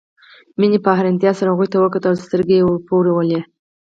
مينې په حيرانتيا سره هغوی ته وکتل او سترګې يې ورپولې